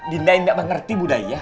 dinda yang tidak mengerti budaya